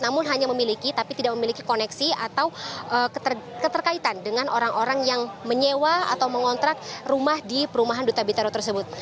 namun hanya memiliki tapi tidak memiliki koneksi atau keterkaitan dengan orang orang yang menyewa atau mengontrak rumah di perumahan duta bitero tersebut